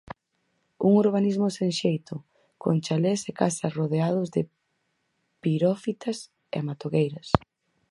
Un urbanismo sen xeito, con chalés e casas rodeados de pirófitas e matogueira.